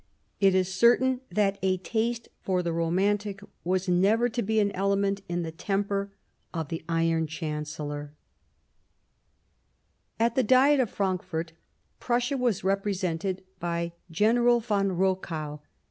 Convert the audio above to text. It is certain that a " taste for the romantic " was never to be an element in the temper of the Iron Chancellor. c 33 Bismarck At the Diet of Frankfort Prussia was represented by General von Rochow.